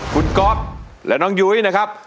คุณก๊อฟและน้องยุ้ยนะครับ